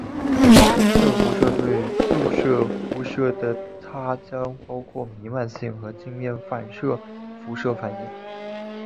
射辐射对入射辐射的它将包括弥漫性和镜面反射辐射反映。